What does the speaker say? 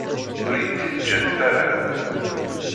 Ur iyi-tt-id-ǧǧant ara.